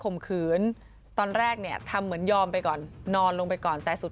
ข่มขืนตอนแรกเนี่ยทำเหมือนยอมไปก่อนนอนลงไปก่อนแต่สุด